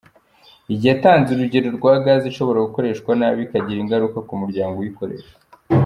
Yatanze urugero rwa gaz ishobora gukoreshwa nabi ikagira ingaruka ku muryango uyikoresha.